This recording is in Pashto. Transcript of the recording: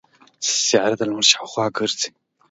سیاره د لمر شاوخوا ګرځي.